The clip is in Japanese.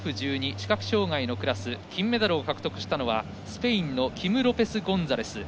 視覚障がいのクラスで金メダルを獲得したのはスペインのキム・ロペスゴンサレス。